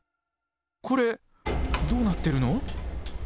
コレどうなってるの！？